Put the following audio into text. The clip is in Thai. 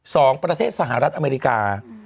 ประเทศสหรัฐอเมริกา